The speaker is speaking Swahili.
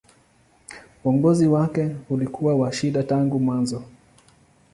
Uongozi wake ulikuwa wa shida tangu mwanzo.